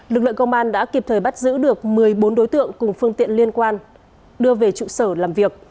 lực lượng công an đã kịp thời bắt giữ được một mươi bốn đối tượng cùng phương tiện liên quan đưa về trụ sở làm việc